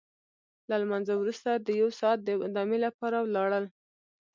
له لمانځه وروسته د یو ساعت دمې لپاره ولاړل.